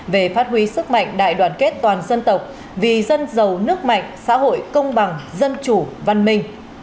về phát huy sức mạnh đại đoàn kết toàn dân tộc vì dân giàu nước mạnh xã hội công bằng dân chủ văn minh